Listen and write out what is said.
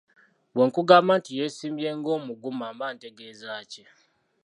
Bwe nkugamba nti yeesimbye ng’omuguma mba ntegeeza ki ?